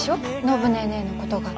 暢ネーネーのことが。